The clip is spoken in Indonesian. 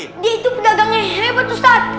dia itu pedagangnya hebat ustaz